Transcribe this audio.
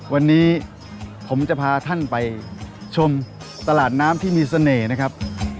วันนี้ผมจะพาท่านไปชมตลาดน้ำที่มีเสน่ห์นะครับ